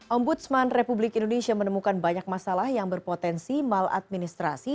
ombudsman republik indonesia menemukan banyak masalah yang berpotensi maladministrasi